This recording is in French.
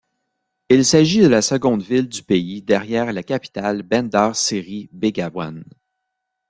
Il s'agit de la seconde ville du pays derrière la capitale Bandar Seri Begawan.